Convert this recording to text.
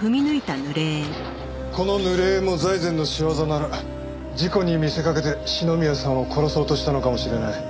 この濡れ縁も財前の仕業なら事故に見せかけて篠宮さんを殺そうとしたのかもしれない。